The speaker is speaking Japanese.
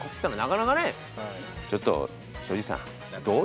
ちょっと庄司さんどう？